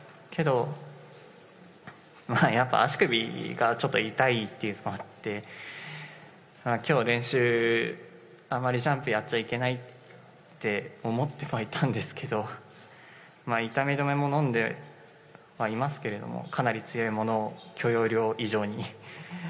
けど、やっぱ足首がちょっと痛いというのもあって、きょう、練習、あまりジャンプやっちゃいけないって思ってはいたんですけど、痛み止めも飲んでいますけれども、かなり強いものを、許容量以上に。